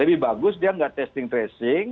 lebih bagus dia tidak testing tracing itu